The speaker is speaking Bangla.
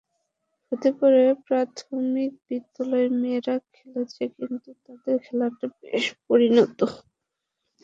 হতে পারে প্রাথমিক বিদ্যালয়ের মেয়েরা খেলেছে, কিন্তু তাদের খেলাটা বেশ পরিণত।